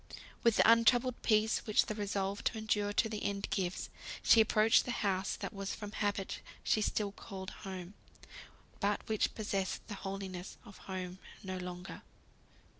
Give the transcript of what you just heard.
With the untroubled peace which the resolve to endure to the end gives, she approached the house that from habit she still called home, but which possessed the holiness of home no longer.